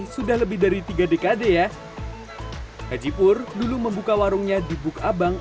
sudah lebih dari tiga dekade ya hajipur dulu membuka warungnya di buk abang